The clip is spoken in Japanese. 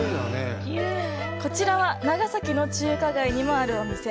こちらは、長崎の中華街にもあるお店。